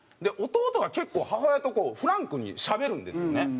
弟が結構母親とこうフランクにしゃべるんですよね。